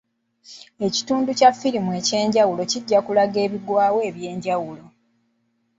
Ekitundu kya ffirimu eky'enjawulo kijja kulaga ebigwawo eby'enjawulo.